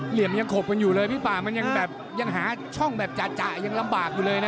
เหลี่ยมยังขบกันอยู่เลยพี่ป่ามันยังแบบยังหาช่องแบบจะยังลำบากอยู่เลยนะ